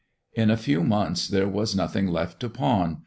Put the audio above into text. In a few months there was nothing left to pawn.